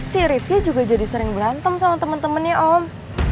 si rivia juga jadi sering berantem sama temen temennya om